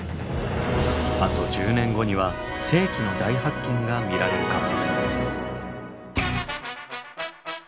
あと１０年後には世紀の大発見が見られるかも。